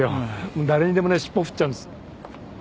誰にでもね尻尾振っちゃうんです。